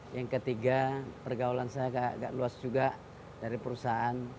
yang ketiga pergaulan saya agak luas juga dari perusahaan